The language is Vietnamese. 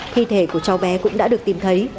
thi thể của cháu bé cũng đã được tìm thấy